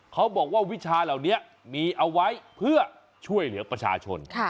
เขาบอกว่าวิชาเหล่านี้มีเอาไว้เพื่อช่วยเหลือประชาชน